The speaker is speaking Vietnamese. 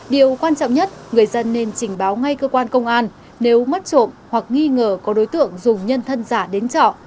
điều quan trọng nhất người dân nên trình báo ngay cơ quan công an nếu mất trộm hoặc nghi ngờ có đối tượng dùng nhân thân giả đến trọ